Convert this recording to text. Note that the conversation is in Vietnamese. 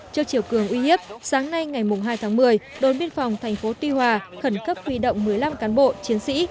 trước chiều cường uy hiếp sáng nay ngày hai tháng một mươi đồn biên phòng tp tuy hòa khẩn cấp huy động một mươi năm cán bộ chiến sĩ